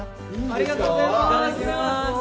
・ありがとうございます！